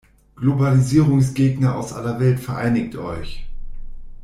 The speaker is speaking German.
Globalisierungsgegner aus aller Welt vereinigt euch!